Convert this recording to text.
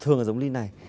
thường là giống ly này